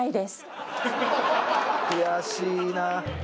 悔しいな。